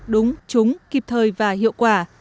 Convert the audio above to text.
đúng trúng kịp thời và hiệu quả